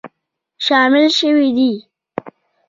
شامل شوي دي